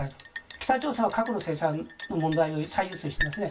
北朝鮮は核の制裁の問題を持っていますね。